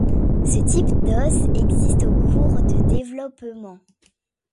Ce type d'os existe au cours de développement.